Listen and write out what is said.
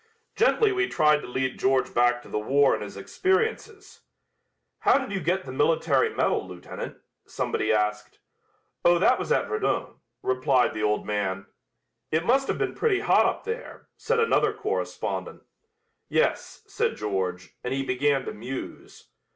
Gently we tried to lead George back to the war and his experiences. "How did you get the military medal, lieutenant?" somebody asked. "Oh, that was at Verdun," replied the old man. "It must have been pretty hot up there," said another correspondent. "Yes," said George, and he began to muse.